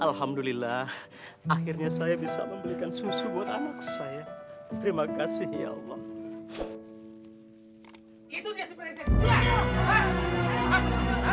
alhamdulillah akhirnya saya bisa membelikan susu buat anak saya terima kasih ya allah